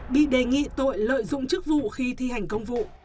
bị đề nghị tội lợi dụng chức vụ khi thi hành công vụ